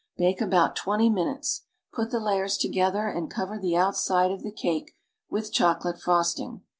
Bake about twenty minutes. Put the layers together and cover the outside of the cake with chocolate frosting.